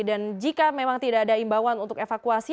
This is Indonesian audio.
dan jika memang tidak ada himbauan untuk evakuasi